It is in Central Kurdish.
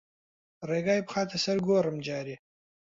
ڕێگای بخاتە سەر گۆڕم جارێ